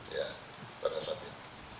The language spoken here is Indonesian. ya pada saat ini